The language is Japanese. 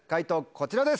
こちらです。